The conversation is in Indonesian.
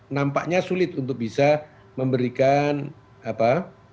nampaknya sulit untuk bisa memberikan apa